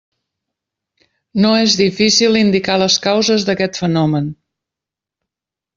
No és difícil indicar les causes d'aquest fenomen.